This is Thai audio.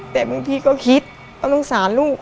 แต่บางทีก็คิดก็สงสารลูก